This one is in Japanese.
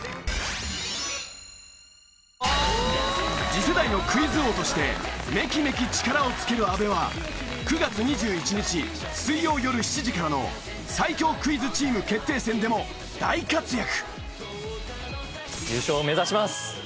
次世代のクイズ王としてめきめき力をつける阿部は９月２１日水曜よる７時からの最強クイズチーム決定戦でも大活躍！